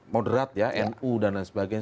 moderat ya nu dan lain sebagainya